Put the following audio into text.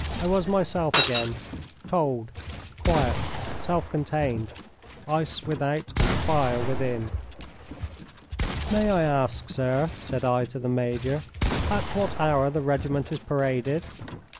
I was myself again, cold, quiet, self contained, ice without and fire within. "May I ask, sir," said I to the major, "at what hour the regiment is paraded?"